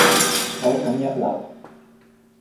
口感一流